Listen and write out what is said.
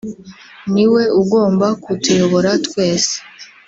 Ni we ugomba kutuyobora twese